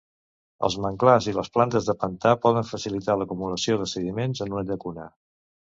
Els manglars i les plantes de pantà poden facilitar l'acumulació de sediments en una llacuna.